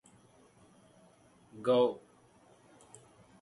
A quick clean-up brings the evening to a close about eleven o'clock.